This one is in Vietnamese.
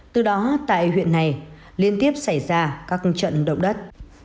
từ đó tại huyện này liên tiếp xảy ra các trận động đất